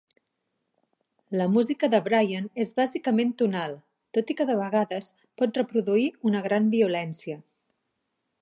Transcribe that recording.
La música de Brian és bàsicament tonal, tot i que de vegades pot reproduir una gran violència.